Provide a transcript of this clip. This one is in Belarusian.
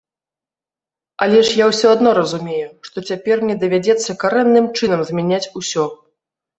Але ж я ўсё адно разумею, што цяпер мне давядзецца карэнным чынам змяняць усё.